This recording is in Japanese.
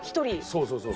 そうそうそう。